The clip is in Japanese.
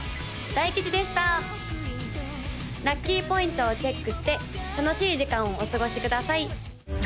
大吉でした・ラッキーポイントをチェックして楽しい時間をお過ごしください！